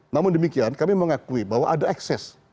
namun demikian kami mengakui bahwa ada ekses